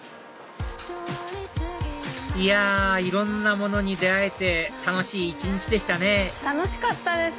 いやいろんなものに出会えて楽しい一日でしたね楽しかったです！